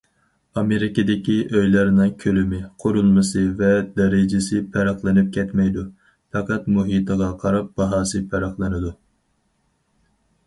ئامېرىكىدىكى ئۆيلەرنىڭ كۆلىمى، قۇرۇلمىسى ۋە دەرىجىسى پەرقلىنىپ كەتمەيدۇ، پەقەت مۇھىتىغا قاراپ باھاسى پەرقلىنىدۇ.